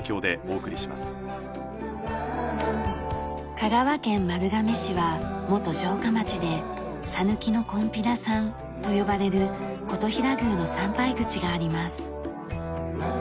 香川県丸亀市は元城下町で「讃岐のこんぴらさん」と呼ばれる金刀比羅宮の参拝口があります。